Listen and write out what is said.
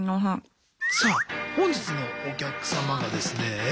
さあ本日のお客様がですね